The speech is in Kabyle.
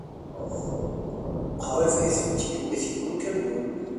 Qrib ay tent-iwit yiwen n ukamyun.